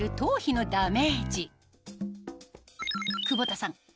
久保田さん